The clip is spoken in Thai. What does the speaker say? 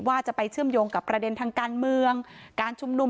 ว่าจะไปเชื่อมโยงกับประเด็นทางการเมืองการชุมนุม